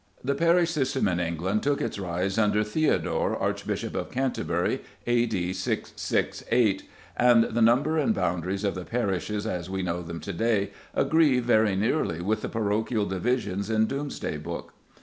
The parish system in England took its rise under Theodore, Archbishop of Canterbury, A.D. 668, and the number and boundaries of the parishes as we know them to day agree very nearly with the parochial divisions in Doomsday Book.